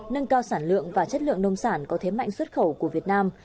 nâng cao sản lượng và chất lượng nông sản có thế mạnh xuất khẩu của việt nam